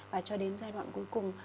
và cho đến giai đoạn cuối cùng